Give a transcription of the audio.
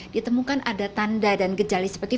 ditemukan ada tanda dan gejala seperti